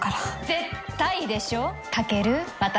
絶対でしょ。